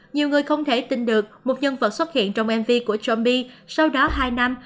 nhiều người không thể tin được một nhân vật xuất hiện trong mv của jambi sau đó hai năm